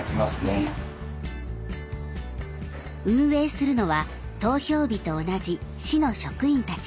運営するのは投票日と同じ市の職員たち。